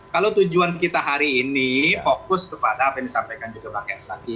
kalau tujuan kita hari ini fokus kepada apa yang disampaikan juga pak ks lagi